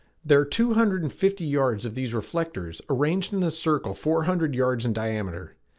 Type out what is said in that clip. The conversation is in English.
"There are two hundred and fifty of these reflectors arranged in a circle four hundred yards in diameter.